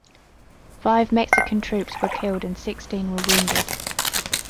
Five Mexican troops were killed and sixteen were wounded.